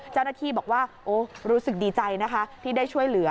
เจ้าหน้าที่บอกว่าโอ้รู้สึกดีใจนะคะที่ได้ช่วยเหลือ